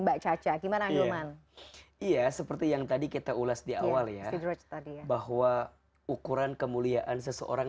mbak caca gimana ilman iya seperti yang tadi kita ulas diawal ya bahwa ukuran kemuliaan seseorang